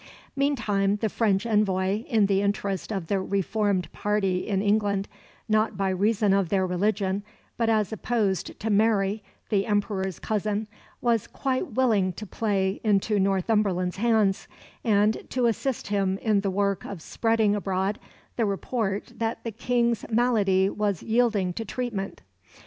Meantime the French envoy, in the interest of the reformed party in England not by reason of their religion, but as opposed to Mary, the Emperor's cousin was quite willing to play into Northumberland's hands, and to assist him in the work of spreading abroad the report that the King's malady was yielding to treatment.